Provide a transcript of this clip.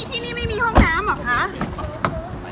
ที่นี่ไม่มีห้องน้ำเหรอคะ